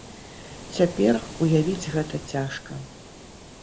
Цяпер уявіць гэта цяжка.